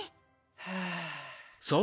ハァ。